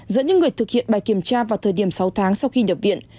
dẫn những người thực hiện bài kiểm tra vào thời điểm sáu tháng sau khi nhập viện